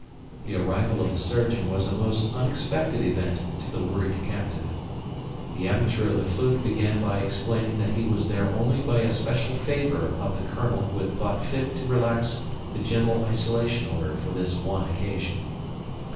The arrival of the surgeon was a most unexpected event to the worried captive. The amateur of the flute began by explaining that he was there only by a special favour of the colonel who had thought fit to relax the general isolation order for this one occasion.